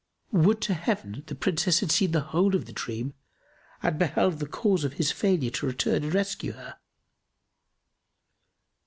Would to Heaven the Princess had seen the whole of the dream and had beheld the cause of his failure to return and rescue her!"